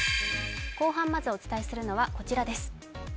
後半まずお伝えするのはこちらです。